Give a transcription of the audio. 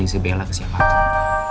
di sisi belakang siapa pun